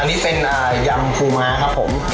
อันนี้เป็นยำปูม้าครับผม